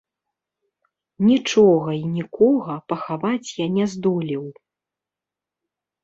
Нічога і нікога пахаваць я не здолеў.